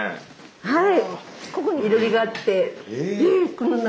はい。